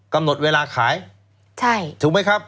กำหนดเวลาขายถูกไหมครับ